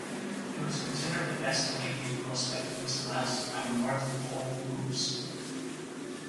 He was considered the best Canadian prospect in his class by North Pole Hoops.